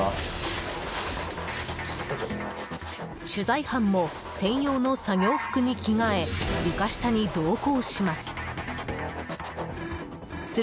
取材班も専用の作業服に着替え床下に同行します。